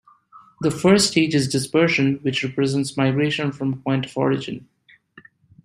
The first stage is Dispersion, which represents migration from a point of origin.